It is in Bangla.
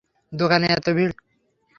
দোকানে এত ভিড়।